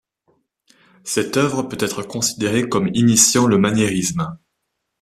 Cette œuvre peut-être considérée comme initiant le maniérisme.